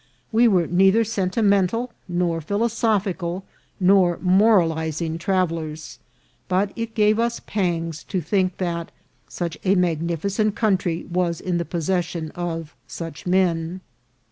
We were neither sentimental, nor philosophical, nor moralizing travellers, but it gave us pangs to think that such a magnificent country was in the possession of such men.